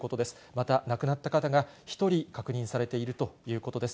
また亡くなった方が１人確認されているということです。